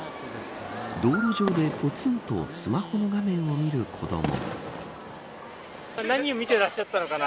道路上でぽつんとスマホの画面を見る子ども。